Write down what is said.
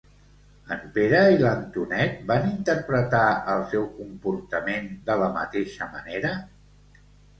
En Pere i l'Antonet van interpretar el seu comportament de la mateixa manera?